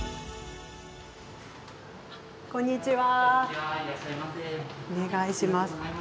こんにちは。